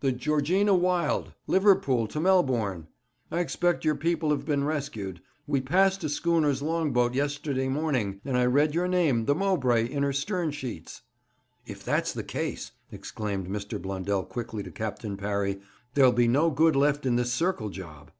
'The Georgina Wilde, Liverpool to Melbourne. I expect your people have been rescued. We passed a schooner's long boat yesterday morning, and I read your name, the Mowbray, in her stern sheets.' 'If that's the case,' exclaimed Mr. Blundell quickly to Captain Parry, 'there'll be no good left in this circle job.'